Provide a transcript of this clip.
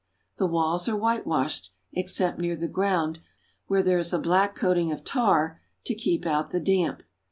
The walls are whitewashed, except near the ground, where there is a black coating of tar to keep out the damp.